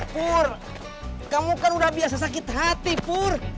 pur kamu kan udah biasa sakit hati pur